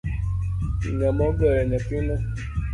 Ngama ogoyo nyathino?